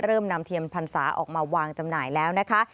นำเทียนพรรษาออกมาวางจำหน่ายแล้วนะคะ